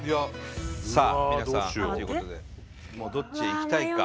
さあ皆さんということでもうどっちへ行きたいか。